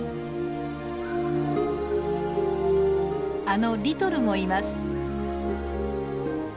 あのリトルもいます。